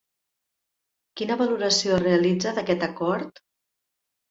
Quina valoració realitza d’aquest acord?